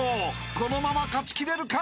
このまま勝ちきれるか？］